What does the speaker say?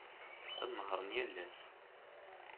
Ad nehhṛen yal ass.